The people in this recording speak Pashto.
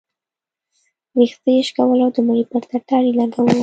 ويښته يې شكول د مړي پر ټټر يې سر لګاوه.